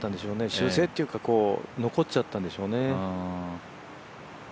修正というか、残っちゃったんでしょうね。